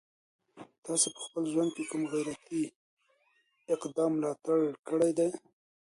تاسي په خپل ژوند کي د کوم غیرتي اقدام ملاتړ کړی دی؟